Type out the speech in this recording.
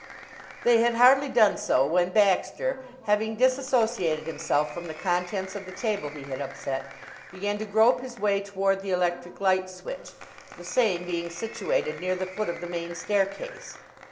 They had hardly done so when Baxter, having disassociated himself from the contents of the table he had upset, began to grope his way toward the electric light switch, the same being situated near the foot of the main staircase.